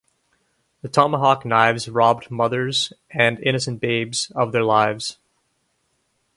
The tomahawk knives robbed mothers and innocent babes of their lives.